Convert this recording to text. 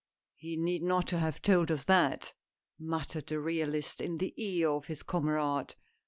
" He need not have told us that," muttered the realist in the ear of his comrade.